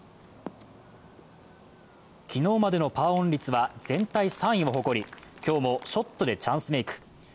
昨日までのパーオン率は全体３位を誇り今日もショットでチャンスメーク。